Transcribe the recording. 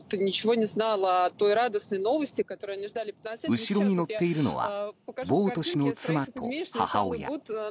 後ろに乗っているのはボウト氏の妻と母親。